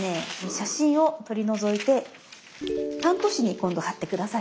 写真を取り除いてタント紙に今度貼って下さい。